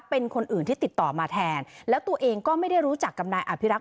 เป็นคนอื่นที่ติดต่อมาแทนแล้วตัวเองก็ไม่ได้รู้จักกับนายอภิรักษ